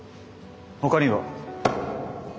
ほかには？